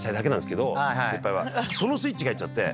そのスイッチが入っちゃって。